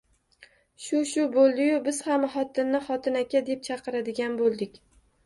Shu-shu bo'ldi-yu biz ham xotinni xotin aka deb chaqiradigan bo'ldik